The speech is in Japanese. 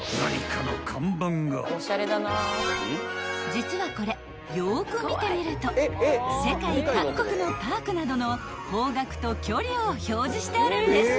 ［実はこれよく見てみると世界各国のパークなどの方角と距離を表示してあるんです］